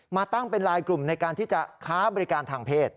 มาตั้งเป็นลายกลุ่มในการที่จะค้าบริการทางเพศ